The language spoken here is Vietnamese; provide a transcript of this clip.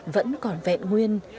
vẫn còn vẹn nguyên